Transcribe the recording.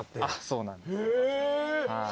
そうなんです。